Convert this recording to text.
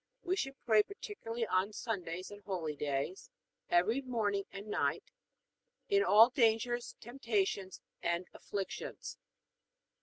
We should pray particularly on Sundays and holydays, every morning and night, in all dangers, temptations, and afflictions.